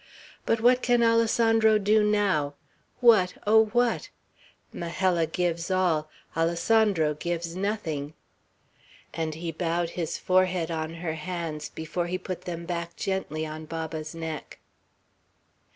But what can Alessandro do now? What, oh, what? Majella gives all; Alessandro gives nothing!" and he bowed his forehead on her hands, before he put them back gently on Baba's neck.